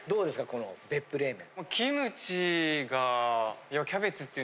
この別府冷麺。